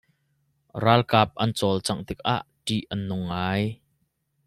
Ralkap an cawlcangh tikah ṭih an nung ngai.